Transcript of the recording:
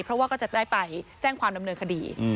เพราะว่าก็จะได้ไปแจ้งความดำเนินคดี